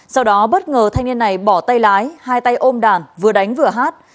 sau đó bất ngờ thanh niên này bỏ tay lái hai tay ôm đàn vừa đánh vừa hát